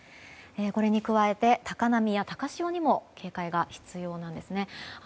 これに加えて高波や高潮にも警戒が必要なんですね。